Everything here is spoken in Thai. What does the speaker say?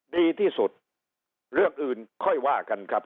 ดีที่สุดเรื่องอื่นค่อยว่ากันครับ